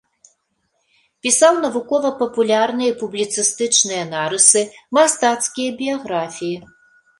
Пісаў навукова-папулярныя і публіцыстычныя нарысы, мастацкія біяграфіі.